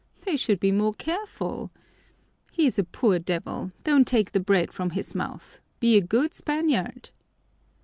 They should be more careful! He's a poor devil don't take the bread from his mouth be a good Spaniard!"